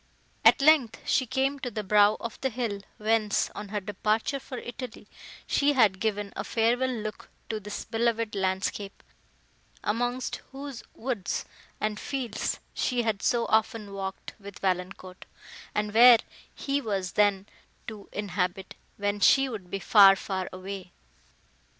At length, she came to the brow of the hill, whence, on her departure for Italy, she had given a farewell look to this beloved landscape, amongst whose woods and fields she had so often walked with Valancourt, and where he was then to inhabit, when she would be far, far away!